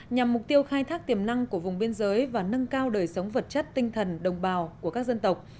nhằm mục tiêu khai thác tiềm năng của vùng biên giới và nâng cao đời sống vật chất tinh thần đồng bào của các dân tộc